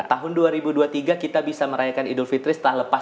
tahun dua ribu dua puluh tiga kita bisa merayakan idul fitri setelah lepas